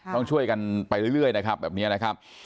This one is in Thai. ต้องช่วยกันไปเรื่อยนะครับแบบนี้นะครับ